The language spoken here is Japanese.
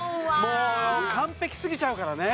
もう完璧すぎちゃうからね